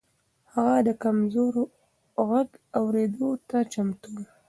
هغه د کمزورو غږ اورېدو ته چمتو و.